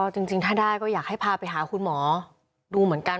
จริงถ้าได้ก็อยากให้พาไปหาคุณหมอดูเหมือนกัน